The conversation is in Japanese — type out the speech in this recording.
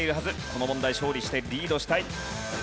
この問題勝利してリードしたい。